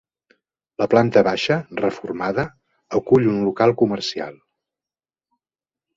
La planta baixa, reformada, acull un local comercial.